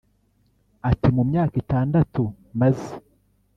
Ati ” Mu myaka itandatu maze